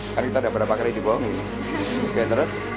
kan kita udah berapa kali dibohongin